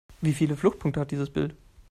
Wie viele Fluchtpunkte hat dieses Bild?